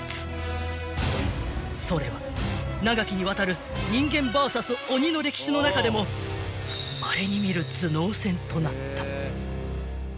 ［それは長きにわたる人間ＶＳ鬼の歴史の中でもまれに見る頭脳戦となった］